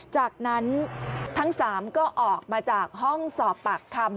จากนั้นทั้ง๓ก็ออกมาจากห้องสอบปากคำ